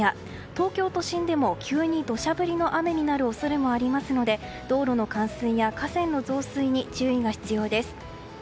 東京都心でも急に土砂降りの雨になる恐れもありますので道路の冠水や河川の増水に注意が必要です。